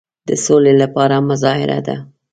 د سولي لپاره مظاهره ده.